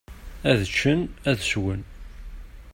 Ad ččen, ad swen.